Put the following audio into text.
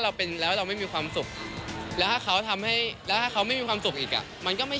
แต่ยืนยันว่าเขาไม่ได้เป็นเกรมไม่ได้เป็นอะไร